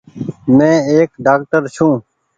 مين ايڪ ڊآڪٽر ڇون ۔